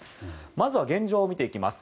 まずは現状を見ていきます。